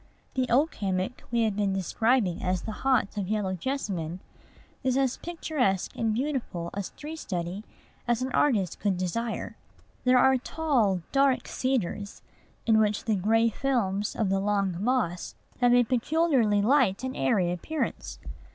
The oak hammock we have been describing as the haunt of yellow jessamine is as picturesque and beautiful a tree study as an artist could desire. There are tall, dark cedars, in which the gray films of the long moss have a peculiarly light and airy appearance.